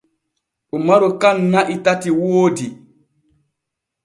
Umaru kan na’i tati woodi.